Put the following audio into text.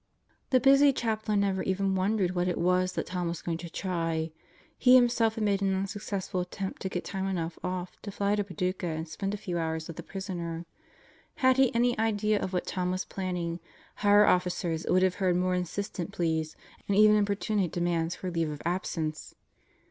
The busy Chaplain never even wondered what it was that Tom was going to try. He himself had made an unsuccessful attempt to get time enough off to fly to Paducah and spend a few hours with the prisoner. Had he any idea of what Tom was planning, higher officers would have heard more insistent pleas and even importunate demands for a leave of absence.